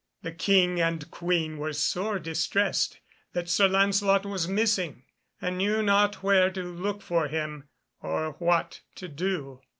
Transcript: The King and Queen were sore distressed that Sir Lancelot was missing, and knew not where to look for him, and what to do.